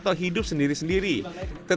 dan kita akan panen yang itu